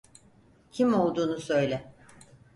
Kim olduğunu söyle.